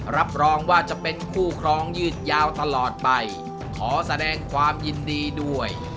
รับรองว่าจะเป็นคู่ครองยืดยาวตลอดไปขอแสดงความยินดีด้วย